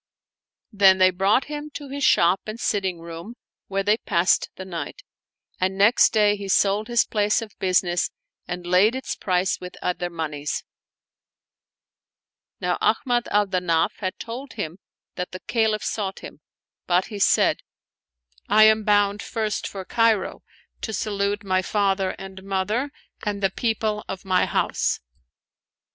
Then he brought him to his shop and sitting room where they passed the night; and next day he sold his place of business and laid its price with other moneys. Now Ahmad al Danaf had told him that the Caliph sought him ; but he said, " I am bound first for Cairo, to salute my father and mother and the people of my house."